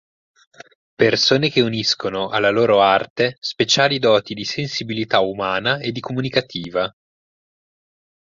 Persone che uniscono alla loro Arte speciali doti di sensibilità umana e di comunicativa.